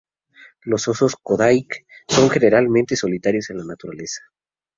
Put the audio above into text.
Los osos de Kodiak son generalmente solitarios en la naturaleza.